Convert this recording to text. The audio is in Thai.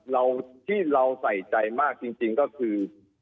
เราที่เราใส่ใจมากจริงก็คือ